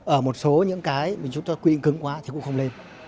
ở một số những cái chúng ta quy định cứng quá thì cũng không lên